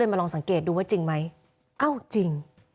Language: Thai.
มาลองสังเกตดูว่าจริงไหมเอ้าจริง